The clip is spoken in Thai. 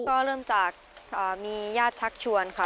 ก็เริ่มจากมีญาติชักชวนค่ะ